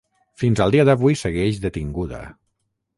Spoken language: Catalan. Fins al dia d'avui segueix detinguda.